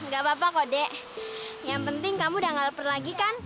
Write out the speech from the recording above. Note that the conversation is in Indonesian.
gak apa apa kode yang penting kamu udah gak leper lagi kan